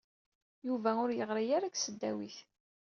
Yuba ur yeɣri ara deg tesdawit.